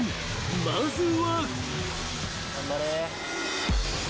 ［まずは］